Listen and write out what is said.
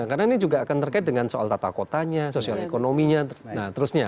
karena ini juga akan terkait dengan soal tata kotanya sosial ekonominya nah terusnya